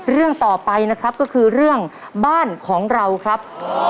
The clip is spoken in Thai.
เรื่องต่อไปนะครับก็คือเรื่องบ้านของเราครับ